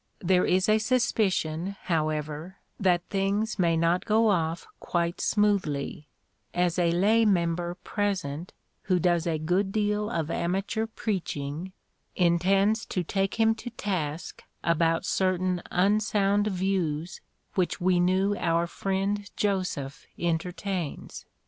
There is a suspicion, however, that things may not go off quite smoothly, as a lay member present, who does a good deal of amateur preaching, intends to take him to task about certain unsound views which we knew our friend Joseph entertains.